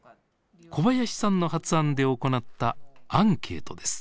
小林さんの発案で行ったアンケートです。